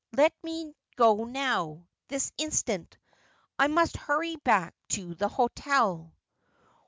Let me go now — this instant. I must hurry back to the hotel.'